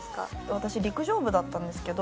私、陸上部だったんですけど。